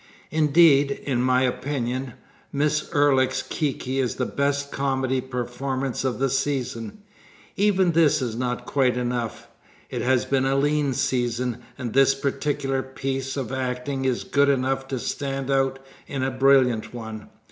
Indeed, in my opinion, Miss Ulric's Kiki is the best comedy performance of the season. Even this is not quite enough. It has been a lean season, and this particular piece of acting is good enough to stand out in a brilliant one.